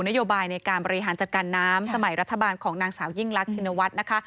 นโยบายในการบริหารจัดการน้ำสมัยรัฐบาลของนางสาวยิ่งรักชินวัฒน์นะคะ